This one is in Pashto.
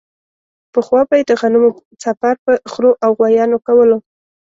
پخوا به یې د غنمو څپر په خرو او غوایانو کولو.